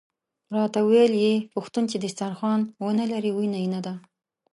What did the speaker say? راته ویل یې پښتون چې دسترخوان ونه لري وینه یې نده.